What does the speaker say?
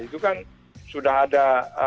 itu kan sudah ada